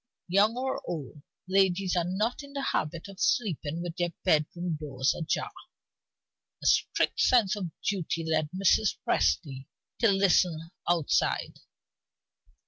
Young or old, ladies are not in the habit of sleeping with their bedroom doors ajar. A strict sense of duty led Mrs. Presty to listen outside.